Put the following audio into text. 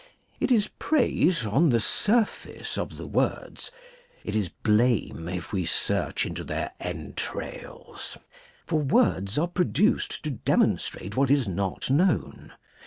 It is praise on the surface of the words, it is Uame if we search into their entrails ; for words 'are produced to demonstrate what [^503 is not known.